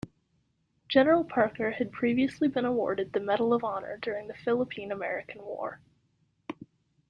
General Parker had previously been awarded the Medal of Honor during the Philippine-American War.